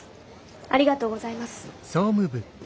ありがとうございます。